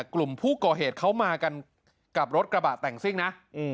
กลุ่มผู้ก่อเหตุเขามากันกับรถกระบะแต่งซิ่งนะ